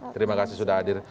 terima kasih sudah hadir